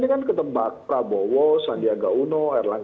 ya ini kan ketempat prabowo sandiaga uno ru dan lain lain